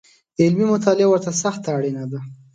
علمي مطالعه ورته سخته اړینه ده